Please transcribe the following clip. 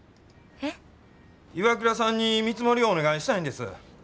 ＩＷＡＫＵＲＡさんに見積もりをお願いしたいんです。